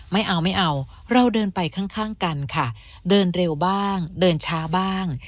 ไม่เอาไม่เอาเราเดินไปข้างกันค่ะเดินเร็วบ้างเดินช้าบ้าง